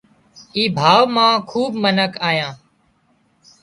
اي ڀاوَ مان کوٻ منک آيان